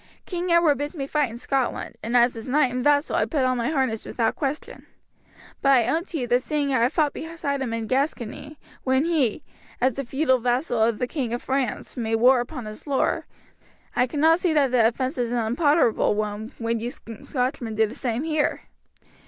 "King Edward bids me fight in Scotland, and as his knight and vassal I put on my harness without question. But I own to you that seeing I have fought beside him in Gascony, when he, as a feudal vassal of the King of France, made war upon his lord, I cannot see that the offence is an unpardonable one when you Scotchmen do the same here.